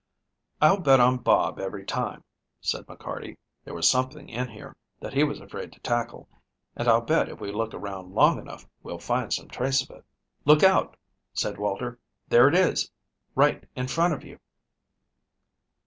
"I'll bet on Bob every time," said McCarty. "There was something in here that he was afraid to tackle, and I'll bet if we look around long enough we'll find some trace of it." "Look out!" said Walter. "There it is, right in front of you."